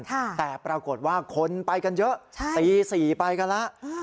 แต่ปรากฏว่าคนไปกันเยอะตี๔ไปกันแล้ว